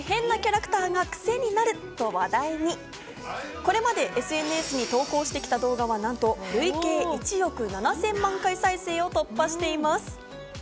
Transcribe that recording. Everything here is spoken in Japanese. これまでＳＮＳに投稿してきた動画はなんと、累計１億７０００万回再生を突破しています。